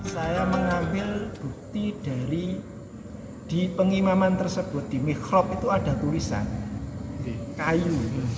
saya mengambil bukti dari di pengimaman tersebut di mikrop itu ada tulisan kayu